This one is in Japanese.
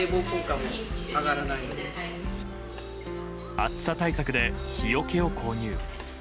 暑さ対策で日よけを購入。